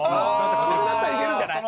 それだったらいけるんじゃない？